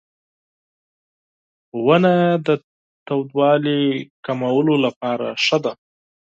• ونه د ګرمۍ کمولو لپاره غوره ده.